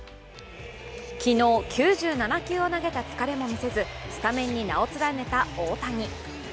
昨日、９７球を投げた疲れも見せずスタメンに名を連ねた大谷。